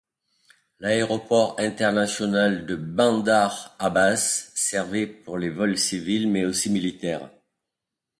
L'aéroport international de Bandar Abbas servait pour les vols civils mais aussi militaires.